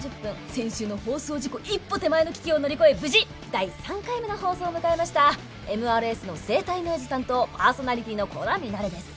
先週の放送事故一歩手前の危機を乗り越え無事第３回目の放送を迎えましたＭＲＳの生体ノイズ担当パーソナリティーの鼓田ミナレです。